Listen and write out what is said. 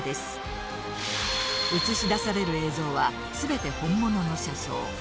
映し出される映像は全て本物の車窓。